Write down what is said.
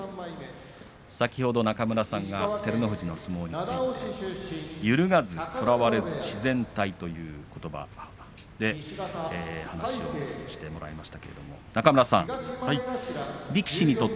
先ほど中村さんが照ノ富士の相撲について揺るがず、とらわれず、自然体ということばで話をしていただきました。